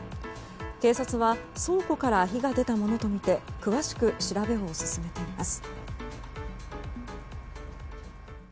警察は倉庫から火が出たものとみて詳しく調べを進めています。